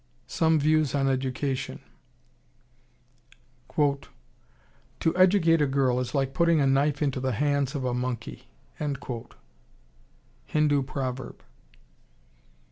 Some Views on Education "To educate a girl is like putting a knife into the hands of a monkey." Hindu Proverb.